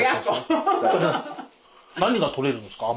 何が取れるんですか？